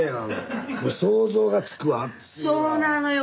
そうなのよ